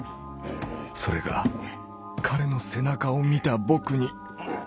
それが彼の「背中」を見た僕にッ。